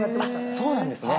そうなんですね。